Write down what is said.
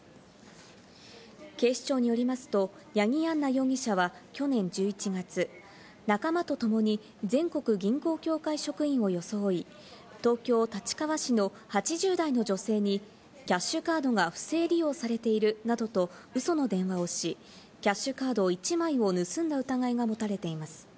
警視庁によりますと八木杏奈容疑者は去年１１月、仲間とともに全国銀行協会職員を装い、東京・立川市の８０代の女性にキャッシュカードが不正利用されているなどと、ウソの電話をし、キャッシュカード１枚を盗んだ疑いがもたれています。